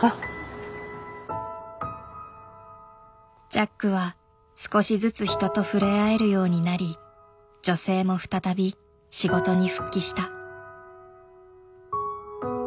ジャックは少しずつ人と触れ合えるようになり女性も再び仕事に復帰した。